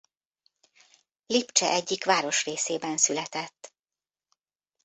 Lipcse egyik városrészében született.